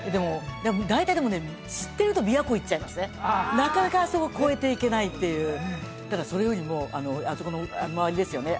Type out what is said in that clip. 大体でもね知ってると琵琶湖行っちゃいますねなかなかあそこ越えていけないっていうだからそれよりもあそこの周りですよね